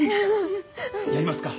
やりますか！